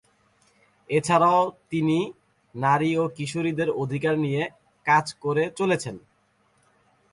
এছাড়াও, তিনি নারী ও কিশোরীদের অধিকার নিয়ে কাজ করে চলেছেন।